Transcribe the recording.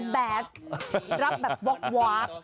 รับแบบว๊ากว๊าก